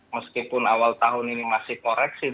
meskipun awal tahun ini masih koreksi